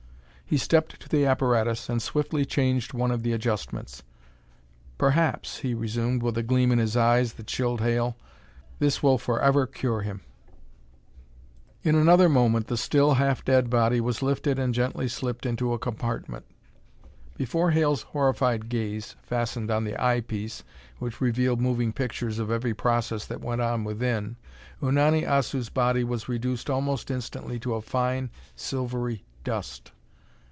He stepped to the apparatus and swiftly changed one of the adjustments. "Perhaps," he resumed, with a gleam in his eyes that chilled Hale, "this will forever cure him." In another moment, the still, half dead body was lifted and gently slipped into a compartment. Before Hale's horrified gaze fastened on the eye piece which revealed moving pictures of every process that went on within, Unani Assu's body was reduced almost instantly to a fine, silvery dust.